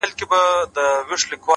و ذهن ته دي بيا د بنگړو شرنگ در اچوم؛